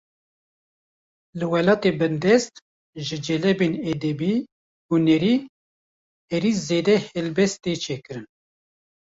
Li welatên bindest, ji celebên edebî-hunerî herî zêde helbest tê çêkirin